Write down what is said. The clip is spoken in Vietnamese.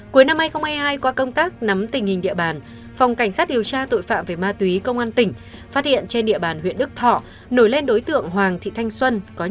cuối năm hai nghìn hai mươi hai qua công tác nắm tình hình địa bàn phòng cảnh sát điều tra tội phạm về ma túy công an tỉnh phát hiện trên địa bàn huyện đức thọ nổi lên đối tượng hoàng thị thanh xuân